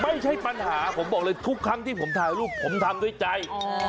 ไม่ใช่ปัญหาผมบอกเลยทุกครั้งที่ผมถ่ายรูปผมทำด้วยใจ